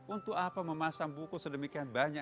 untuk apa memasang buku sedemikian banyak